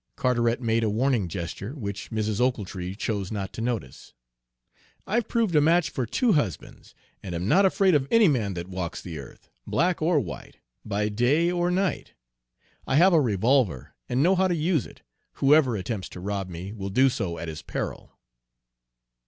Carteret made a warning gesture, which Mrs. Ochiltree chose not to notice. "I've proved a match for two husbands, and am not afraid of any man that walks the earth, black or white, by day or night. I have a revolver, and know how to use it. Whoever attempts to rob me will do so at his peril."